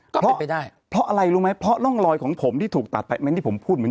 เพราะไปได้เพราะอะไรรู้ไหมเพราะร่องรอยของผมที่ถูกตัดไปเม้นที่ผมพูดเหมือน